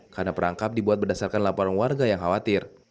karena perangkap dibuat berdasarkan laporan warga yang khawatir